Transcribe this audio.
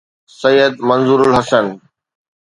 Syed Manzoor ul Hassan